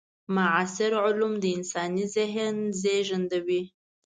معاصر علوم د انساني ذهن زېږنده وي.